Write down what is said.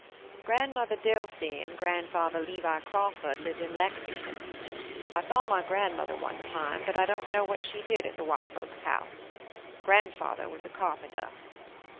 "Grandmother Dilsey and grandfather Levi Crawford lived in Lexington. I saw my grandmother one time, but I don't know what she did at the white folks' house. Grandfather was a carpenter.